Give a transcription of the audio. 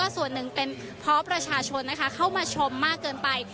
ส่วนหนึ่งเป็นเพราะประชาชนเข้ามาชมมากเกินไป